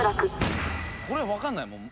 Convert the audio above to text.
「これわかんないもん。